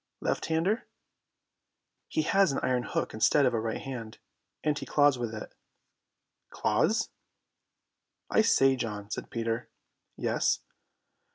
"Left hander?" "He has an iron hook instead of a right hand, and he claws with it." "Claws!" "I say, John," said Peter. "Yes."